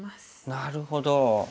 なるほど。